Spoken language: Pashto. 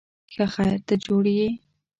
ښه خیر، ته جوړ یې؟